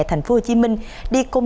thành phố hồ chí minh đi công đạo của tỉnh